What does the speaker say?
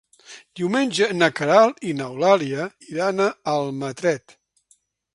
Diumenge na Queralt i n'Eulàlia iran a Almatret.